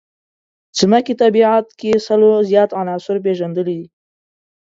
ځمکې طبیعت کې سلو زیات عناصر پېژندلي.